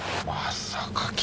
まさか。